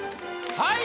はい。